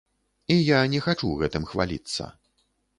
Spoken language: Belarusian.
І я не хачу гэтым хваліцца.